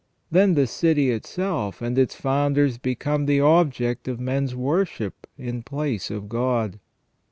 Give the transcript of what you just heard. Then the city itself and its founders became the object of men's worship in place of God.